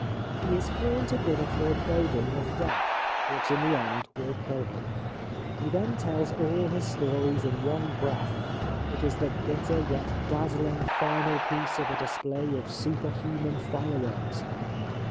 He is haunted with a foreboding of death, which in the end will kill him. He then tells all his stories in one breath : it is the bitter yet dazzling final piece of a display of superhuman fireworks.